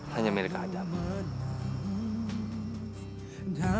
hanya mereka ada